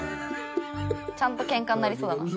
ちゃんとケンカになりそうだな。